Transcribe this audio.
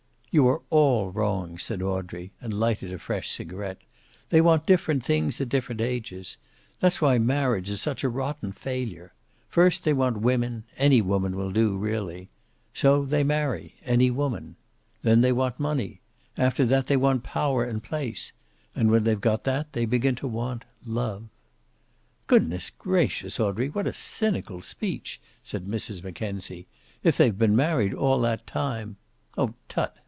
"You are all wrong," said Audrey, and lighted a fresh cigaret. "They want different things at different ages. That's why marriage is such a rotten failure. First they want women; any woman will do, really. So they marry any woman. Then they want money. After that they want power and place. And when they've got that they begin to want love." "Good gracious, Audrey, what a cynical speech!" said Mrs. Mackenzie. "If they've been married all that time " "Oh, tut!"